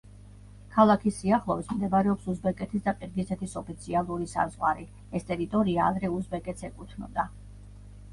ქალაქის სიახლოვეს მდებარეობს უზბეკეთის და ყირგიზეთის ოფიციალური საზღვარი, ეს ტერიტორია ადრე უზბეკეთს ეკუთვნოდა.